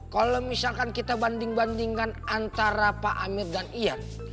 kalau misalkan kita banding bandingkan antara pak amir dan ian